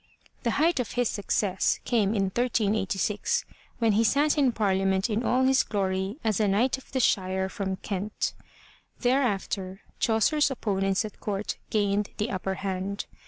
The height of his success came in 1386 when he sat in Parliament in all his glory as a Knight of the Shire from Kent. Thereafter Chaucer's op ponents at court gained the upper hand.